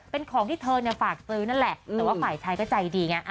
เป็นของที่เธอเนี่ยฝากซื้อนั่นแหละแต่ว่าฝ่ายชายก็ใจดีไง